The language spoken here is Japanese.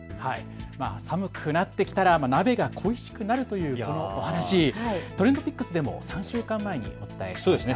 寒くなってきたら鍋が恋しくなるというお話、ＴｒｅｎｄＰｉｃｋｓでも３週間前にお伝えしました。